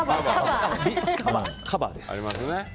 カバーです。